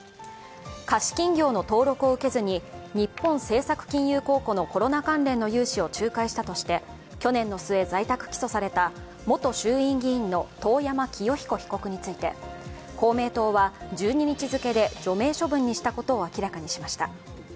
貸金業の登録を受けずに日本政策金融公庫のコロナ関連の融資を仲介したとして去年の末、在宅起訴された元衆院議員の遠山清彦被告について公明党は１２日付で除名処分にしたことを明らかにしました。